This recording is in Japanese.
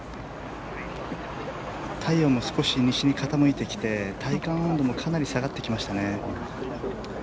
太陽も少し西に傾いてきて体感温度もかなり下がってきましたね。